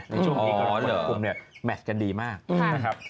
ในช่วงนี้กรกฎกุมเนี่ยแมชกันดีมากนะครับ